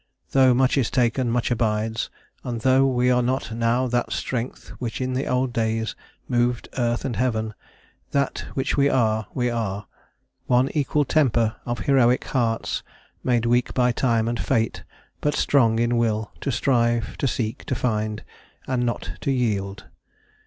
Tho' much is taken, much abides; and tho' We are not now that strength which in old days Moved earth and heaven; that which we are, we are; One equal temper of heroic hearts, Made weak by time and fate, but strong in will To strive, to seek, to find, and not to yield.